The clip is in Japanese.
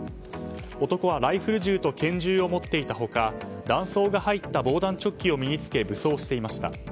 男はライフル銃と拳銃を持っていた他弾倉が入った防弾チョッキを身に着け武装していました。